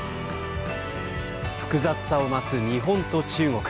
複雑さを増す日本と中国。